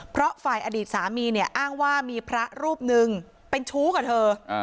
เพราะฝ่ายอดีตสามีเนี่ยอ้างว่ามีพระรูปหนึ่งเป็นชู้กับเธอ